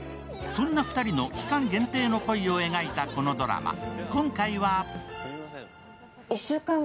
そんな２人の期間限定の恋を描いたこのドラマ。